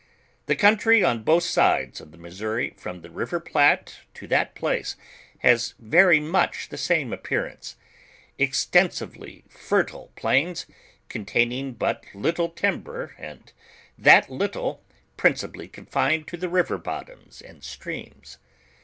The country on both sides of the .Missouri, from the river Platte to that pkce, has very much the same appearance; extensively fer tile plains, containing but little timber and that little, princi pally confined to the river bottoms and streams.